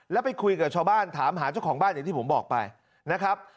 แล้วไปคุยกับชาวบ้านถามหาเจ้าของบ้านอย่างที่ผมบอกไปนะครับ